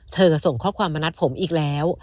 ส่งข้อความมานัดผมอีกแล้ว